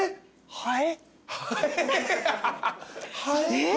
はい。